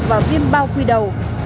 và viêm bao quy đầu